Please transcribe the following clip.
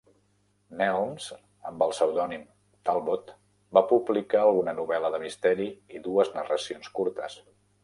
Nelms, amb el pseudònim Talbot, va publicar alguna novel·la de misteri i dues narracions curtes.